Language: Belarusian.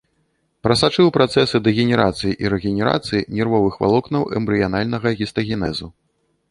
Прасачыў працэсы дэгенерацыі і рэгенерацыі нервовых валокнаў, эмбрыянальнага гістагенезу.